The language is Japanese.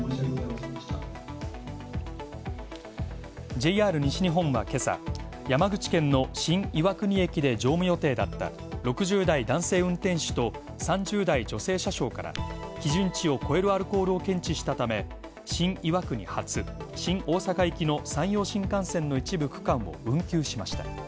ＪＲ西日本は今朝、山口県の新岩国駅で乗務予定だった６０代男性運転士と３０代女性車掌から基準値を超えるアルコールを検知したため、新岩国発、新大阪行きの山陽新幹線の一部区間を運休しました。